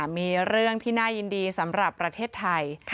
มีเรื่องที่น่ายินดีสำหรับประเทศไทย